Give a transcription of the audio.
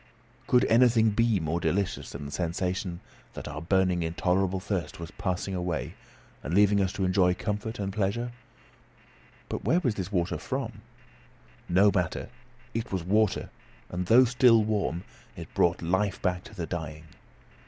Could anything be more delicious than the sensation that our burning intolerable thirst was passing away, and leaving us to enjoy comfort and pleasure? But where was this water from? No matter. It was water; and though still warm, it brought life back to the dying.